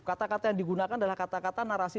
kata kata yang digunakan adalah kata kata narasi